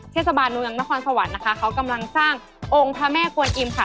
เทศบาลเมืองนครสวรรค์นะคะเขากำลังสร้างองค์พระแม่กวนอิมค่ะ